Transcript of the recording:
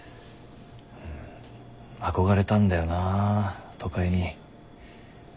憧れたんだよな都会に。